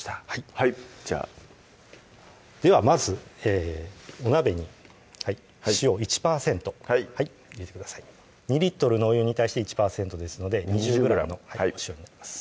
はいじゃあではまずお鍋に塩１％入れてください２リットルのお湯に対して１％ですので２０ｇのお塩になります